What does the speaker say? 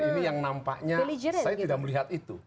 ini yang nampaknya saya tidak melihat itu